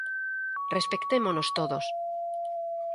Respectémonos todos.